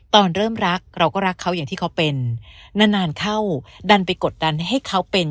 ตอนเริ่มรักเราก็รักเขาอย่างที่เขาเป็นนานนานเข้าดันไปกดดันให้เขาเป็น